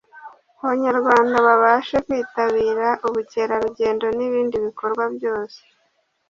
Abanyarwanda babashe kwitabira ubukerarugendo n’ibindi bikorwa byose